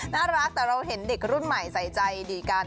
น่ารักแต่เราเห็นเด็กรุ่นใหม่ใส่ใจดีกัน